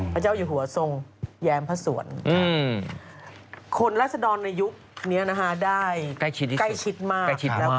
พระเจ้าอยู่หัวทรงแยมพระสวรคนรัฐศดรในยุคนี้ได้ใกล้ชิดมาก